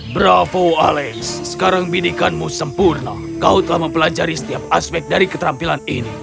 bravo alex sekarang bidikanmu sempurna kau telah mempelajari setiap aspek dari keterampilan ini